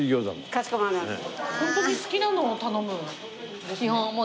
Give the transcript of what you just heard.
かしこまりました。